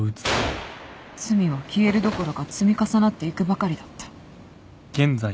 罪は消えるどころか積み重なっていくばかりだった。